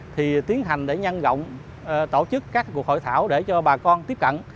thì tiến hành để nhân rộng tổ chức các cuộc hội thảo để cho bà con tiếp cận